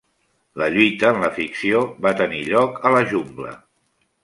La lluita en la ficció va tenir lloc a la jungla.